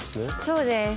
そうです。